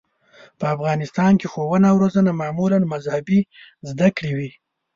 په افغانستان کې ښوونه او روزنه معمولاً مذهبي زده کړې وې.